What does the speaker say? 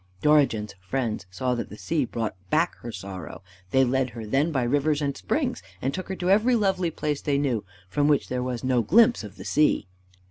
Dorigen's friends saw that the sea brought back her sorrow. They led her then by rivers and springs, and took her to every lovely place they knew, from which there was no glimpse of the sea.